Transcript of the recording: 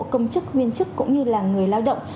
công chức viên chức cũng như là người lao động